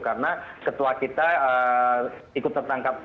karena ketua kita ikut tertangkap